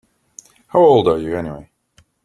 How old are you anyway?